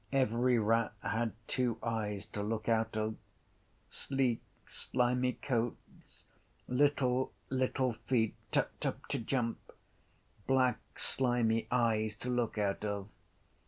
Every rat had two eyes to look out of. Sleek slimy coats, little little feet tucked up to jump, black slimy eyes to look out of.